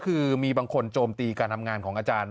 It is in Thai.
คือมีบางคนโจมตีการทำงานของอาจารย์